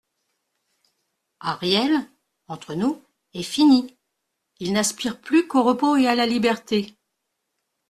Ariel, entre nous, est fini ; il n'aspire plus qu'au repos et à la liberté.